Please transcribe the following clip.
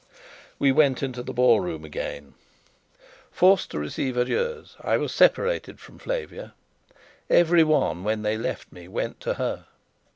We went into the ballroom again. Forced to receive adieus, I was separated from Flavia: everyone, when they left me, went to her.